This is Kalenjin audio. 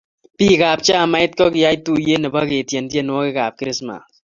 Biik ab chamait ko yiyay tuyet nebo ketien tienwokik ab krismas